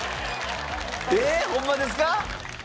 えーっ！ホンマですか？